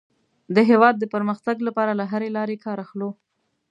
د هېواد د پرمختګ لپاره له هرې لارې کار اخلو.